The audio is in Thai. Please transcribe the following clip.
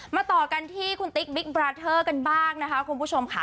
ต่อกันที่คุณติ๊กบิ๊กบราเทอร์กันบ้างนะคะคุณผู้ชมค่ะ